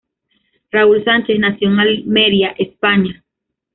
Raúl Sánchez nació en Almería, España.